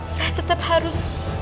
saya tetap harus